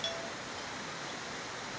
saya juga ingin berpengalaman